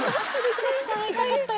黒木さん会いたかったよ。